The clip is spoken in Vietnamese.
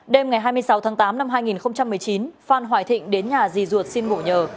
đêm ngày hai mươi sáu tháng tám năm hai nghìn một mươi chín phan hoài thịnh đến nhà rì ruột xin ngủ nhờ